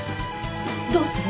どうする？